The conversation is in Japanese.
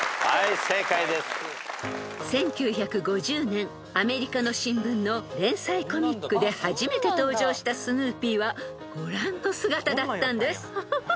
［１９５０年アメリカの新聞の連載コミックで初めて登場したスヌーピーはご覧の姿だったんです］